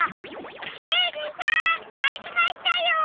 ベリーさんありましたよ！